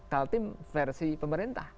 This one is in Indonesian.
kaltim versi pemerintah